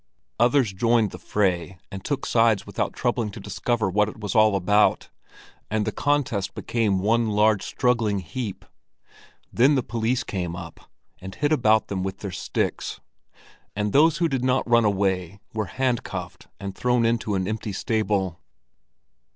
Others joined the fray and took sides without troubling to discover what it was all about, and the contest became one large struggling heap. Then the police came up, and hit about them with their sticks; and those who did not run away were handcuffed and thrown into an empty stable.